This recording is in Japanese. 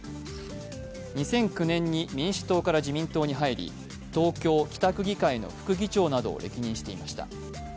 ２００９年に民主党から自民党に入り、東京・北区議会の副議長などを歴任していました。